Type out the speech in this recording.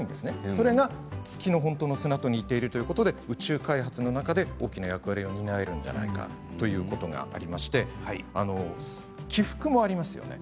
それが月の本当の砂と似ているということで宇宙開発の中で大きな役割を担えるんじゃないかということがありまして起伏もありますよね